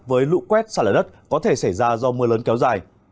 với lũ quét xa lở đất có thể xảy ra do mưa lớn kéo dài